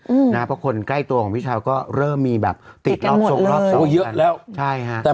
อืมนะครับเพราะคนใกล้ตัวของพี่เช้าก็เริ่มมีแบบติดรอบทรงรอบทรง